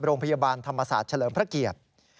โรงพยาบาลธรรมศาสตร์เฉลิมพระเกียรติ